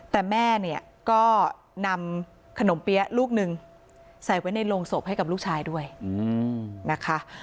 แต่แม่เนี่ยก็นำขนมเปี๊ยะลูกหนึ่งใส่ไว้ในโรงศพให้กับลูกชายด้วยนะคะ